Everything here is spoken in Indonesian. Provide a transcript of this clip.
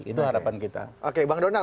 itu harapan kita